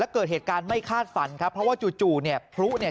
เพราะว่าจู่เนี่ยพลุเนี่ย